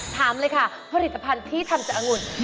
ถามเลยค่ะผลิตภัณฑ์ที่ทำจากอังุ่น